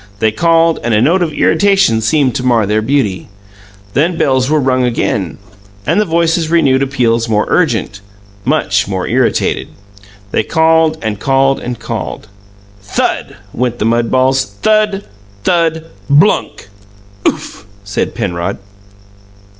They called and a note of irritation seemed to mar their beauty. Then bells were rung again and the voices renewed appeals more urgent, much more irritated. They called and called and called. THUD! went the mud balls. Thud! Thud! Blunk! "OOF!" said Penrod.